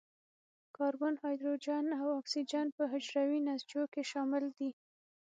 کاربن، هایدروجن او اکسیجن په حجروي نسجونو کې شامل دي.